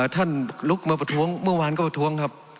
ลุกมาประท้วงเมื่อวานก็ประท้วงครับ